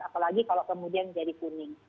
apalagi kalau kemudian jadi kuning